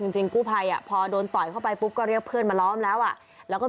จริงกู้ภัยโดนต่อยเข้าไปก็เรียกเพื่อนมาล้อมแล้ว